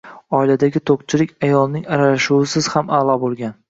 Oiladagi to‘qchilik “ayolning aralashuvi”siz ham a’lo bo‘lgan